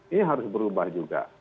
ini harus berubah juga